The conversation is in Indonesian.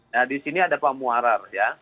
nah disini ada pak muarar